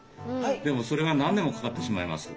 でもそれは何年もかかってしまいます。